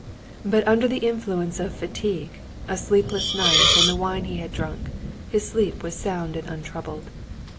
But under the influence of fatigue, a sleepless night, and the wine he had drunk, his sleep was sound and untroubled.